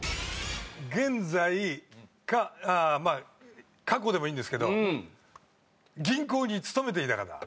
現在か過去でもいいんですけど銀行に勤めていた方。